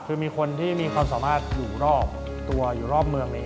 คือมีคนที่มีความสามารถอยู่รอบตัวอยู่รอบเมืองเลย